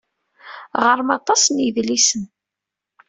Ɣer-m aṭas n yedlisen.